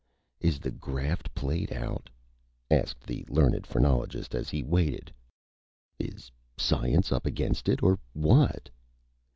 "Is the Graft played out?" asked the Learned Phrenologist, as he waited. "Is Science up against it or What?"